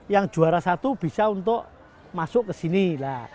yang juara satu bisa untuk masuk ke sini